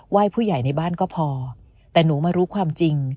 ผู้ใหญ่ในบ้านก็พอแต่หนูมารู้ความจริง